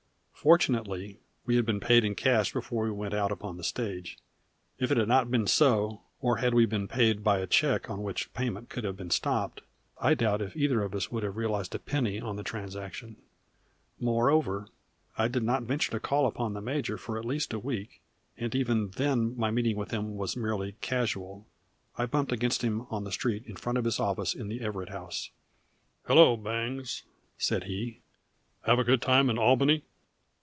Fortunately we had been paid in cash before we went out upon the stage. If it had not been so, or had we been paid by a check on which payment could have been stopped, I doubt if either of us would have realized a penny on the transaction. Moreover, I did not venture to call upon the major for at least a week, and even then my meeting with him was merely casual. I bumped against him on the street in front of his office in the Everett House. "Hello, Bangs!" said he. "Have a good time at Albany?"